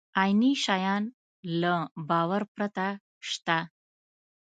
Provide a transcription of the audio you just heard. عیني شیان له باور پرته شته.